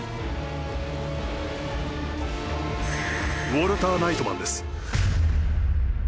ウォルター・ナイトマンです。